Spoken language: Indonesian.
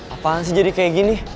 apaan sih jadi kayak gini